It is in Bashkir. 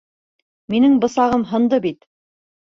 Минең бысағым һынды бит.